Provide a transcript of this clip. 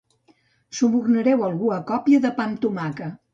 Subornareu algú a còpia de pa amb tomàquet.